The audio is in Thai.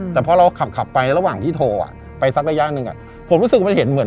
แต่พอเราขับไประหว่างที่โทรอ่ะไปสักระยะหนึ่งผมรู้สึกมันเห็นเหมือน